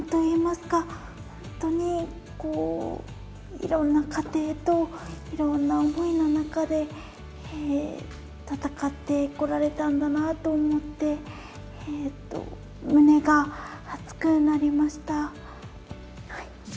いろんな過程といろんな思いの中で戦ってこられたんだなと思って胸が熱くなりました。